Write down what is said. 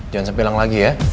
jangan sepilang lagi ya